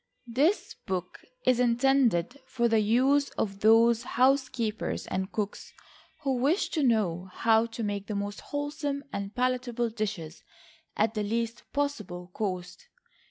This book is intended for the use of those housekeepers and cooks who wish to know how to make the most wholesome and palatable dishes at the least possible cost.